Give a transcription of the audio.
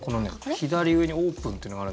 左上にオープンっていうのがある。